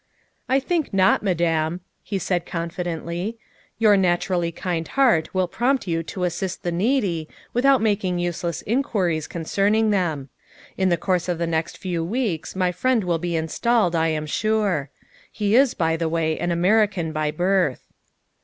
'' I think not, Madame, '' he said confidently ;'' your naturally kind heart will prompt you to assist the needy without making useless inquiries concerning them. In the course of the next few weeks my friend will be installed, I am sure. He is, by the way, an American by birth."